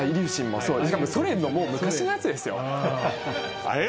しかもソ連の昔のやつですよ？